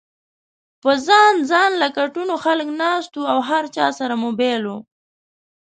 پۀ ځان ځانله کټونو خلک ناست وو او هر چا سره موبايل ؤ